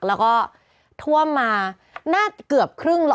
แล้วก็ท่วมมาน่าเกือบครึ่งล้อ